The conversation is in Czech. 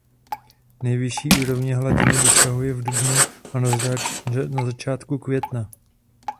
Nejvyšší úrovně hladiny dosahuje v dubnu a na začátku května.